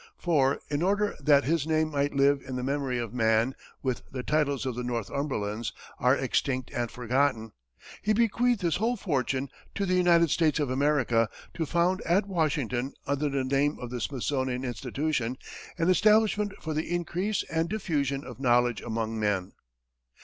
For, "in order that his name might live in the memory of man when the titles of the Northumberlands are extinct and forgotten," he bequeathed his whole fortune "to the United States of America, to found at Washington, under the name of the Smithsonian Institution, an establishment for the increase and diffusion of knowledge among men."